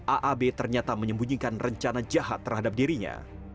aab ternyata menyembunyikan rencana jahat terhadap dirinya